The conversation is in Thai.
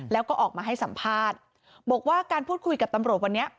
แล้วก็ออกมาให้สัมภาษณ์บอกว่าการพูดคุยกับตำรวจวันนี้